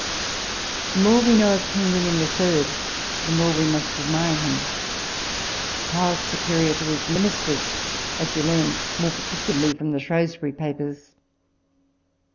The more we know of King William the Third, the more we must admire him. How superior to his ministers, as we learn more particularly from the Shrewsbury Papers.